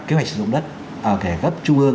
kế hoạch sử dụng đất ở kẻ cấp trung ương